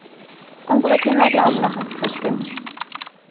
Unsere Kinder glauben noch ans Christkind.